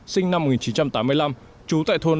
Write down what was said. sinh năm một nghìn chín trăm tám mươi năm trú tại thôn năm